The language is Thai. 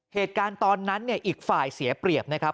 เหตุการณ์ตอนนั้นเนี่ยอีกฝ่ายเสียเปรียบนะครับ